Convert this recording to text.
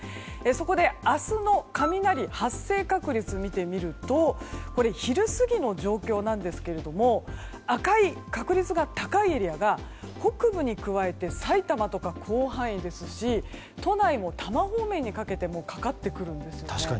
そこで明日の雷発生確率を見てみると昼過ぎの状況なんですが赤い確率が高いエリアが北部に加えて埼玉とか広範囲ですし都内も多摩方面にかけてもかかってくるんです。